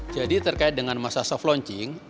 jadi terkait dengan masa soft launching